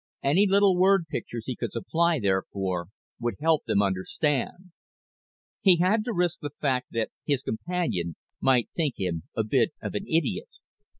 Any little word pictures he could supply, therefore, would help them understand. He had to risk the fact that his companion might think him a bit of an idiot.